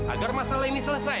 agar masalah ini selesai